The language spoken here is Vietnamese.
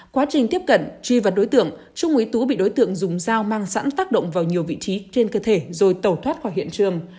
quá trình tiếp cận truy vấn đối tượng trung úy tú bị đối tượng dùng dao mang sẵn tác động vào nhiều vị trí trên cơ thể rồi tẩu thoát khỏi hiện trường